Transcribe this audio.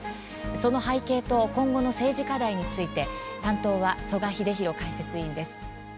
その背景と今後の政治課題について担当は曽我英弘解説委員です。